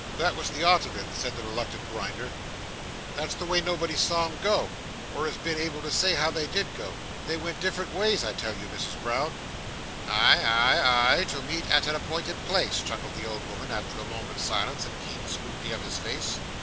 "That was the art of it," said the reluctant Grinder; "that's the way nobody saw 'em go, or has been able to say how they did go. They went different ways, I tell you Misses Brown." "Ay, ay, ay! To meet at an appointed place," chuckled the old woman, after a moment's silent and keen scrutiny of his face.